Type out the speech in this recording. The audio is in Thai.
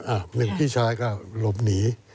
อ่ะแม่งพี่ชายก็หลบหนี